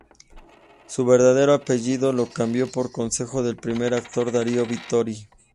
Su verdadero apellido lo cambió por consejo del primer actor Darío Vittori.